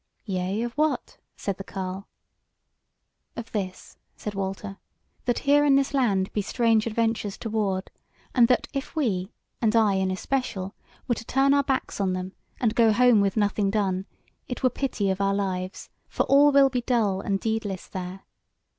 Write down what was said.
"Yea, of what?" said the carle. "Of this," said Walter; "that here in this land be strange adventures toward, and that if we, and I in especial, were to turn our backs on them, and go home with nothing done, it were pity of our lives: for all will be dull and deedless there.